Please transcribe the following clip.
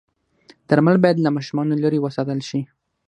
درمل باید له ماشومانو لرې وساتل شي.